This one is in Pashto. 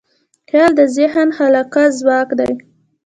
خیال د ذهن خلاقه ځواک دی.